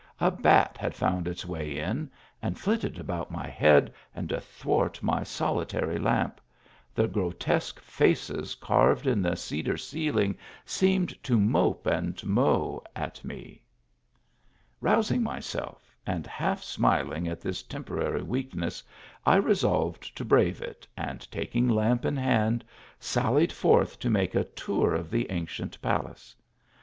A bat had found its way in, and flitted about my head and athwart my solitary lamp ; the grotesque faces carved in the cedar ceiling seemed to mope and mow at me. Rousing myself, and half smiling at this tempora ry weakness, I resolved to brave it, and, taking lamp in hand, sallied forth to make a tour of the ancient palace.